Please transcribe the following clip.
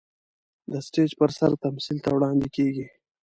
د سټېج پر سر تمثيل ته وړاندې کېږي.